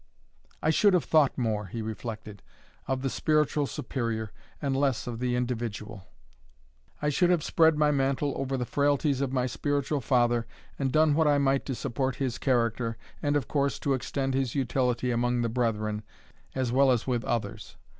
"I should have thought more," he reflected, "of the spiritual Superior, and less of the individual. I should have spread my mantle over the frailties of my spiritual father, and done what I might to support his character, and, of course, to extend his utility among the brethren, as well as with others.